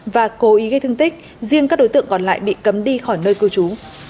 và cố ý gây thương tích riêng các đối tượng còn lại bị cấm đi khỏi nơi cư trú